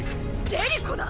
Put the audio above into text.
ジェリコだ！